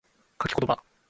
書き言葉